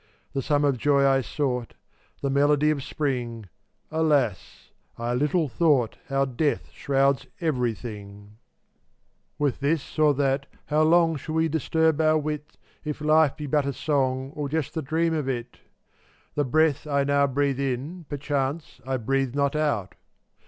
The sum of joy I sought, The melody of spring; Alas, I little thought How death shrouds everything. eun<j 465 With this or that how long <f)tft&£ Shall we disturb our wit —_ If life be but a song \J>£' Or just a dream T>f it? The breath I now breathe in, Perchance, I breathe not out.